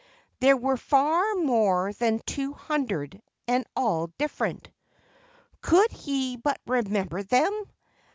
There were far more than two hundred, and all different. Could he but remember them